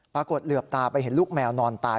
เหลือบตาไปเห็นลูกแมวนอนตาย